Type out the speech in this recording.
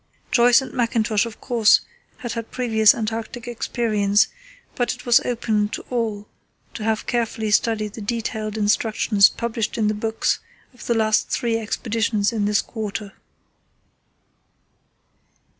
Joyce and Mackintosh of course had had previous Antarctic experience: but it was open to all to have carefully studied the detailed instructions published in the books of the three last Expeditions in this quarter.